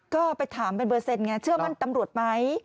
ก็ไปถามเป็นเปอร์เซ็นต์ไงเชื่อมั่นตำรวจไหม